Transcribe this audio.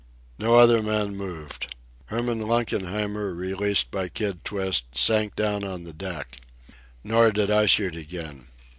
No other man moved. Herman Lunkenheimer, released by Kid Twist, sank down on the deck. Nor did I shoot again.